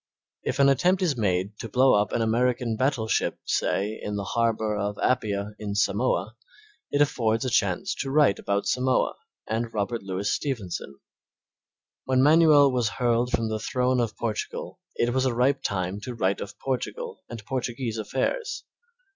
If an attempt is made to blow up an American battleship, say, in the harbor of Appia, in Samoa, it affords a chance to write about Samoa and Robert Louis Stephenson. When Manuel was hurled from the throne of Portugal it was a ripe time to write of Portugal and Portuguese affairs.